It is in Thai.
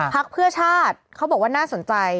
พักเพื่อชาติเขาบอกว่าน่าสนใจ